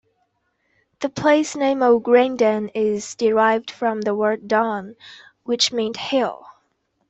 The place name of "Grindon" is derived from the word 'dun', which meant hill.